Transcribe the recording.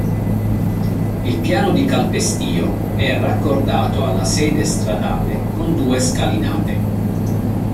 Il piano di calpestio è raccordato alla sede stradale con due scalinate.